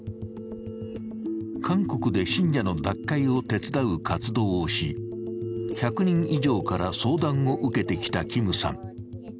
韓国で信者の脱会を手伝う活動をし１００人以上から相談を受けてきたキムさん。